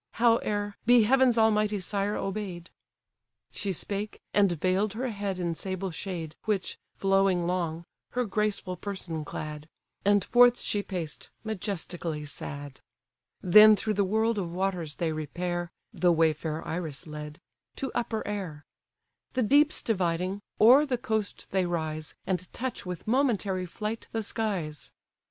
Howe'er, be heaven's almighty sire obey'd—" She spake, and veil'd her head in sable shade, Which, flowing long, her graceful person clad; And forth she paced, majestically sad. Then through the world of waters they repair (The way fair Iris led) to upper air. The deeps dividing, o'er the coast they rise, And touch with momentary flight the skies.